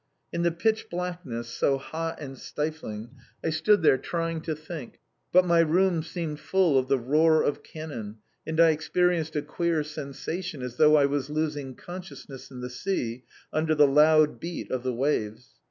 In the pitch blackness, so hot and stifling, I stood there trying to think, but my room seemed full of the roar of cannon, and I experienced a queer sensation as though I was losing consciousness in the sea, under the loud beat of waves.